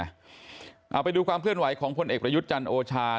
เอาไปดูความเคลื่อนไหวของพลเอกประยุทธ์จันทร์โอชา